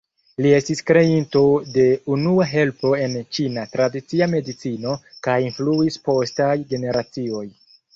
Li ests kreinto de unua helpo en Ĉina tradicia medicino kaj influis postaj generacioj.